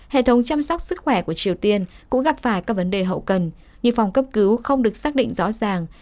hệ thống chăm sóc sức khỏe của triều tiên cũng gặp phải các vấn đề hậu cần như phòng cấp cứu không được xác định rõ ràng